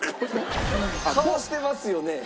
「顔してますよね」？